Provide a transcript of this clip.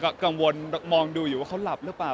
ก็กังวลมองดูอยู่ว่าเขาหลับหรือเปล่า